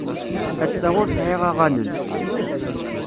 Ass-a ur sɛiɣ aɣanen.